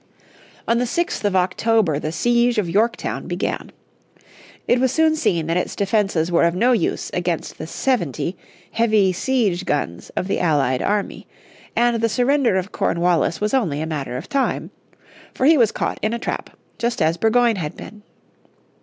On the 6th of October the siege of Yorktown began. It was soon seen that its defenses were of no use against the seventy heavy siege guns of the allied army, and the surrender of Cornwallis was only a matter of time for he was caught in a trap, just as Burgoyne had been.